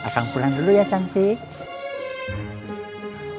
kang pulang dulu ya cantik